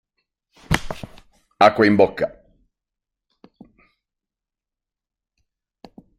Acqua in bocca